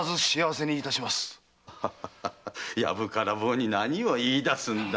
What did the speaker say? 薮から棒に何を言い出すんだね。